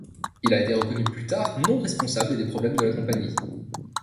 Il a été reconnu plus tard non responsable des problèmes de la compagnie.